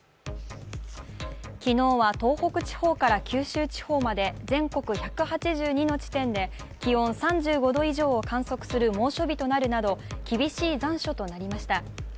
昨日は東北地方から九州地方まで、全国１８２の地点で気温３５度以上を観測する猛暑日となるなど、厳しい残暑となりました。